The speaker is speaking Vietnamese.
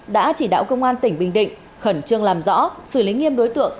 đã chỉ đạo công an tỉnh bình định khẩn trương làm rõ xử lý nghiêm đối tượng